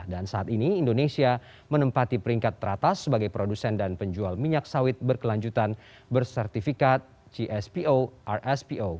dan saat ini indonesia menempati peringkat teratas sebagai produsen dan penjual minyak sawit berkelanjutan bersertifikat cspo rspo